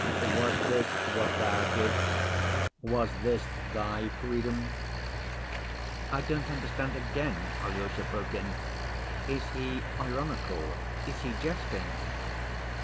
Was this what Thou didst? Was this Thy freedom?' " "I don't understand again," Alyosha broke in. "Is he ironical, is he jesting?"